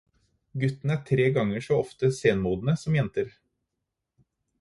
Guttene er tre ganger så ofte senmodne som jenter.